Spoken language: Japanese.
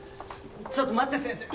ちょっと待って先生！